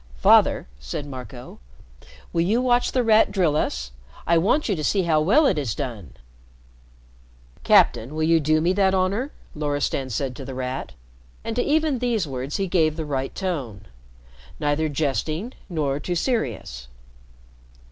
"Father," said Marco, "will you watch The Rat drill us? I want you to see how well it is done." "Captain, will you do me that honor?" Loristan said to The Rat, and to even these words he gave the right tone, neither jesting nor too serious.